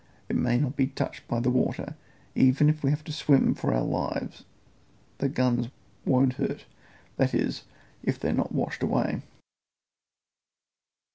It may not be touched by the water; even if we have to swim for our lives the guns won't hurt that is, if they are not washed away."